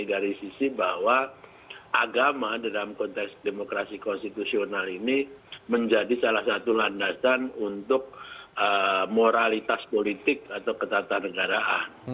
dari sisi bahwa agama dalam konteks demokrasi konstitusional ini menjadi salah satu landasan untuk moralitas politik atau ketatanegaraan